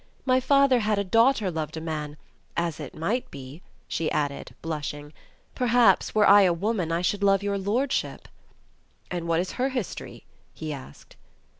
My father had a daughter loved a man, as it might be," she added blushing, "perhaps, were I a woman, I should love your lord ship." "And what is her history?" he asked.